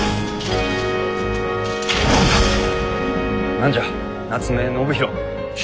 何じゃ夏目信広。